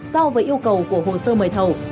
so với yêu cầu của hồ sơ mời thầu